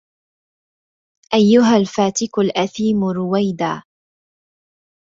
أيها الفاتك الأثيم رويدا